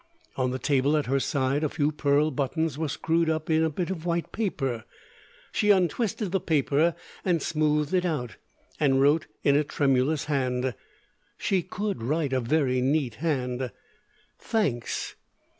On the table at her side a few pearl buttons were screwed up in a bit of white paper. She untwisted the paper and smoothed it out, and wrote in a tremulous hand she could write a very neat hand _Thanks.